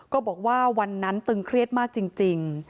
บอกว่าวันนั้นตึงเครียดมากจริง